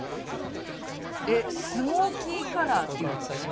えっスモーキーカラーっていうんですね。